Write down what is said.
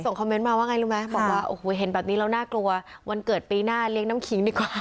คอมเมนต์มาว่าไงรู้ไหมบอกว่าโอ้โหเห็นแบบนี้แล้วน่ากลัววันเกิดปีหน้าเลี้ยงน้ำขิงดีกว่า